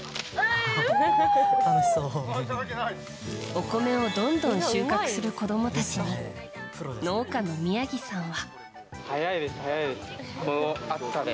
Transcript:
お米をどんどん収穫する子供たちに農家の宮城さんは。